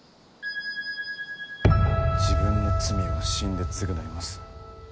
「自分の罪は死んでつぐないます」。